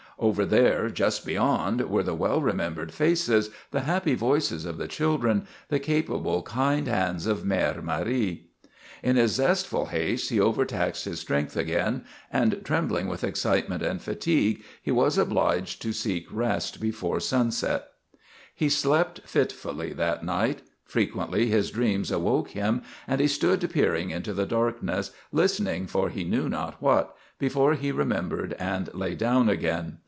Over there, just beyond, were the well remembered faces, the happy voices of the children, the capable, kind hands of Mère Marie. In his zestful haste he overtaxed his strength again, and, trembling with excitement and fatigue, he was obliged to seek rest before sunset. He slept fitfully that night. Frequently his dreams awoke him and he stood peering into the darkness, listening for he knew not what, before he remembered and lay down again.